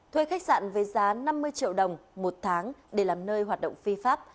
thuê khách sạn với giá năm mươi triệu đồng một tháng để làm nơi hoạt động phi pháp